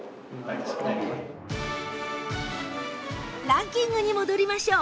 ランキングに戻りましょう